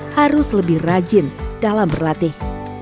harus lebih rajin dalam berlatih